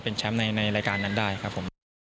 เป็นแชมป์ในรายการนั้นได้ครับผม